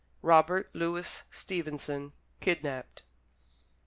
Robert Louis Stevenson: "Kidnapped."